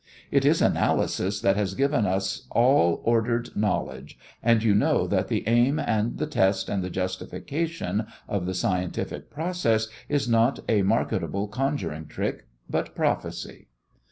It is analysis that has given us all ordered knowledge, and you know that the aim and the test and the justification of the scientific process is not a marketable conjuring trick, but prophecy.